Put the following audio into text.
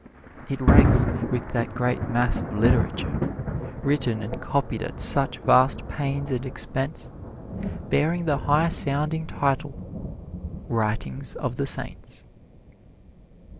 It ranks with that great mass of literature, written and copied at such vast pains and expense, bearing the high sounding title, "Writings of the Saints."